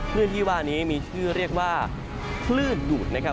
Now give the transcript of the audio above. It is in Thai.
คลื่นที่ว่านี้มีชื่อเรียกว่าคลื่นดูดนะครับ